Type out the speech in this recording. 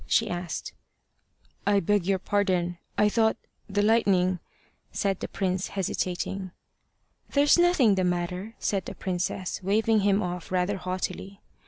she asked. "I beg your pardon. I thought the lightning" said the prince, hesitating. "There's nothing the matter," said the princess, waving him off rather haughtily.